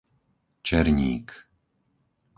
Černík